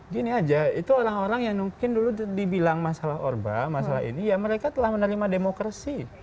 gini aja itu orang orang yang mungkin dulu dibilang masalah orba masalah ini ya mereka telah menerima demokrasi